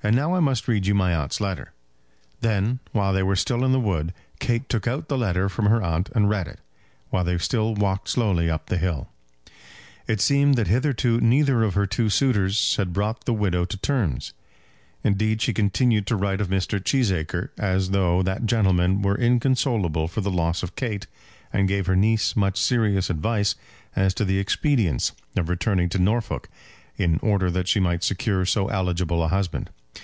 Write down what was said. And now I must read you my aunt's letter." Then, while they were still in the wood, Kate took out the letter from her aunt and read it, while they still walked slowly up the hill. It seemed that hitherto neither of her two suitors had brought the widow to terms. Indeed, she continued to write of Mr. Cheesacre as though that gentleman were inconsolable for the loss of Kate, and gave her niece much serious advice as to the expedience of returning to Norfolk, in order that she might secure so eligible a husband.